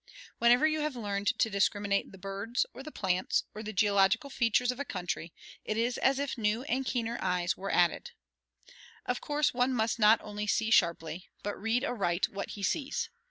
Whenever you have learned to discriminate the birds, or the plants, or the geological features of a country, it is as if new and keener eyes were added. Of course one must not only see sharply, but read aright what he sees.